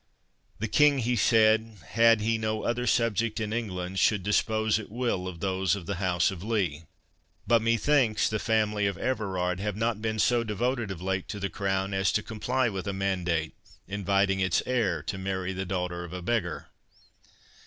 "The King," he said, "had he no other subject in England, should dispose at will of those of the house of Lee. But methinks the family of Everard have not been so devoted of late to the crown as to comply with a mandate, inviting its heir to marry the daughter of a beggar."